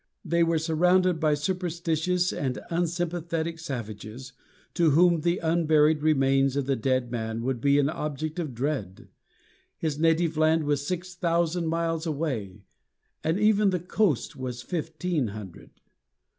They were surrounded by superstitious and unsympathetic savages, to whom the unburied remains of the dead man would be an object of dread. His native land was six thousand miles away, and even the coast was fifteen hundred.